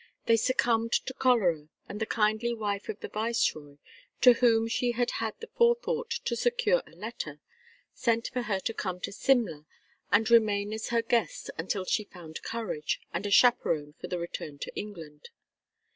They succumbed to cholera, and the kindly wife of the viceroy, to whom she had had the forethought to secure a letter, sent for her to come to Simla and remain as her guest until she found courage and a chaperon for the return to England.